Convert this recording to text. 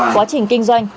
quá trình kinh doanh